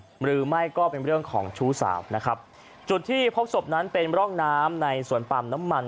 หรือไม่ก็เป็นเรื่องของชู้สาวนะครับจุดที่พบศพนั้นเป็นร่องน้ำในสวนปาล์มน้ำมัน